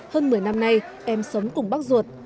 hơn một mươi năm nay em sống cùng bác ruột